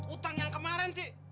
utang yang kemarin sih